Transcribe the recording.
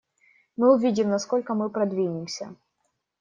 Мы увидим, насколько мы продвинемся.